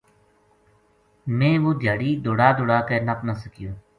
میں وہ دھیاڑی دوڑا دوڑا کے نپ نہ سکیو